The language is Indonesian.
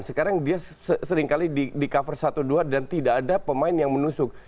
sekarang dia seringkali di cover satu dua dan tidak ada pemain yang menusuk